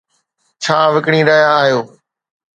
ڇا وڪڻي رهيا آهيو؟